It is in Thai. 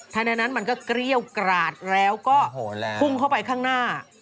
ในนั้นมันก็เกรี้ยวกราดแล้วก็พุ่งเข้าไปข้างหน้า